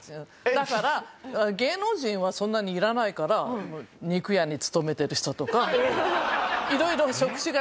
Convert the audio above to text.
だから芸能人はそんなにいらないから肉屋に勤めてる人とか。